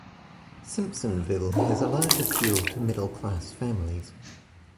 Simpsonville has a large appeal to middle-class families.